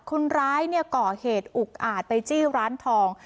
คนร้ายก่อเหตุอุกอาจไปจี้ร้านทอง